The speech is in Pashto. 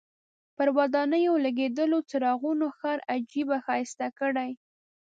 پر ودانیو لګېدلو څراغونو ښار عجیبه ښایسته کړی.